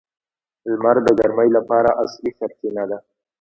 • لمر د ګرمۍ لپاره اصلي سرچینه ده.